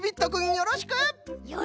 よろしく！